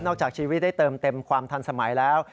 จากชีวิตได้เติมเต็มความทันสมัยแล้ว